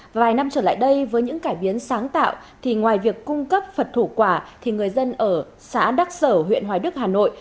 vài năm trở lại đây với những cải biến sáng tạo thì ngoài việc cung cấp phật thủ quả thì người dân ở xã đắc sở huyện hoài đức hà nội